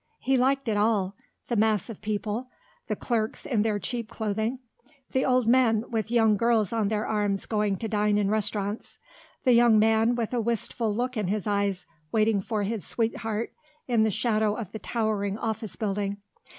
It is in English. He liked it all; the mass of people; the clerks in their cheap clothing; the old men with young girls on their arms going to dine in restaurants; the young man with a wistful look in his eyes waiting for his sweetheart in the shadow of the towering office building.